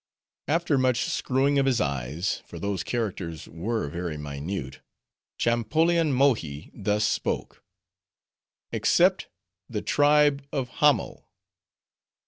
After much screwing of his eyes, for those characters were very minute, Champollion Mohi thus spoke—" Except the tribe of Hamo."